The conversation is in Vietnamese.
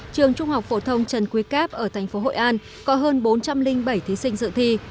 trường trung học phổ thông trần quý cáp ở tp hội an có hơn bốn trăm linh bảy thí sinh dự thi